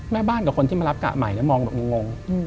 แม่บ้านกับคนที่มารับกะใหม่แล้วมองแบบงง